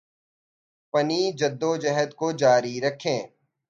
پنی جدوجہد کو جاری رکھیں